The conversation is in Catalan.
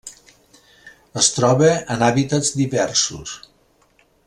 Es troba en hàbitats diversos.